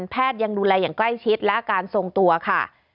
ยังดูแลอย่างใกล้ชิดและอาการทรงตัวค่ะ